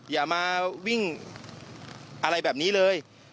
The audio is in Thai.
อย่ามาวิ่งอะไรแบบนี้เลย